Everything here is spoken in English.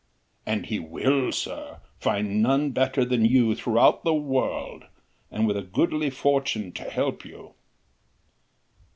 "And he will, sir, find none better than you throughout the world. And with a goodly fortune to help you...."